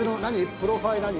プロファイなに？